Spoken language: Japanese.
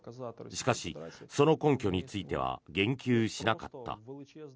しかし、その根拠については言及しなかった。